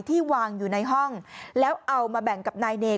ที่วางอยู่ในห้องแล้วเอามาแบ่งกับนายเนย